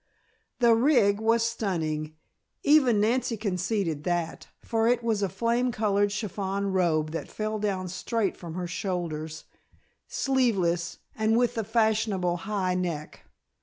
The "rig" was stunning, even Nancy conceded that, for it was a flame colored chiffon robe that fell down straight from her shoulders, sleeveless, and with the fashionable high neck.